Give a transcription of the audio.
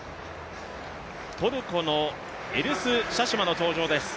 トルコのエルス・シャシュマの登場です。